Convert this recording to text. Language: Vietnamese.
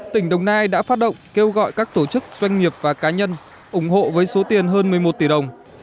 tỉnh đồng nai đã phát động kêu gọi các tổ chức doanh nghiệp và cá nhân ủng hộ với số tiền hơn một mươi một tỷ đồng